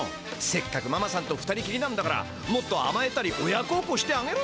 せっかくママさんと２人きりなんだからもっとあまえたりおやこうこうしてあげろよ。